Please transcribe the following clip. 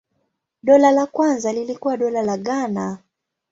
Dola la kwanza lilikuwa Dola la Ghana.